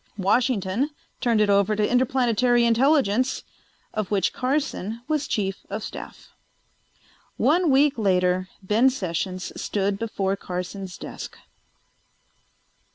Washington turned it over to Interplanetary Intelligence, of which Carson was chief of staff. One week later Ben Sessions stood before Carson's desk.